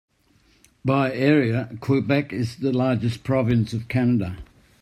By area, Quebec is the largest province of Canada.